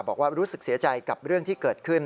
บอกว่ารู้สึกเสียใจกับเรื่องที่เกิดขึ้น